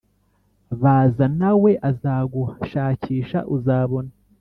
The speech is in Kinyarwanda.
baza, na we azaguha; shakisha, uzabona.